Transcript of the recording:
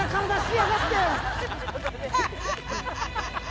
ハハハハ！